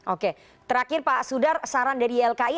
oke terakhir pak sudar saran dari ylki